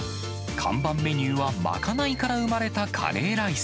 看板メニューは、まかないから生まれたカレーライス。